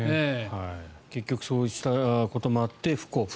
結局そうしたこともあって不交付。